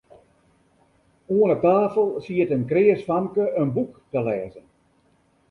Oan 'e tafel siet in kreas famke in boek te lêzen.